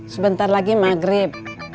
sebentar lagi maghrib